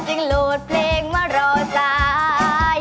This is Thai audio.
จึงโหลดเพลงมารอตาย